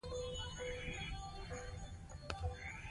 لمونځ د ژوند سکون دی.